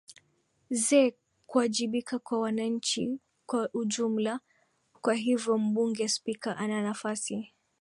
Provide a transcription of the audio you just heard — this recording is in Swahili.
ze kuajibika kwa wananchi kwa ujumla kwa hivyo mbunge spika ananafasi